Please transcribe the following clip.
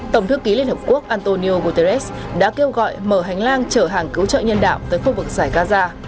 tổng thư ký liên hợp quốc antonio guterres đã kêu gọi mở hành lang chở hàng cứu trợ nhân đạo tới khu vực giải gaza